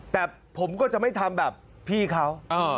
แต่ผมก็จะไม่ทำแบบพี่เขา